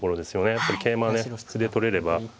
やっぱり桂馬ね歩で取れれば。